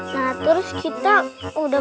nah terus kita